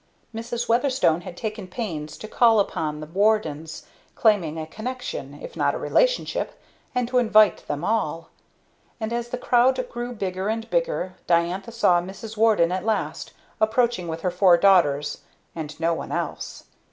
Mrs. Weatherstone had taken pains to call upon the Wardens claiming a connection, if not a relationship, and to invite them all. And as the crowd grew bigger and bigger, Diantha saw Mrs. Warden at last approaching with her four daughters and no one else.